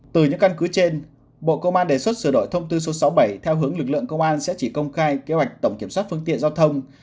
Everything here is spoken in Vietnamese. từ những căn cứ trên bộ công an đề xuất sửa đổi thông tư số sáu mươi bảy theo hướng lực lượng công an sẽ chỉ công khai kế hoạch tổng kiểm soát phương tiện giao thông